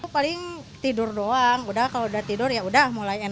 paling tidur doang udah kalau udah tidur yaudah mulai enakan